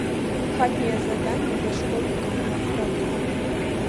Хатнія заданні для школьнікаў неабходныя.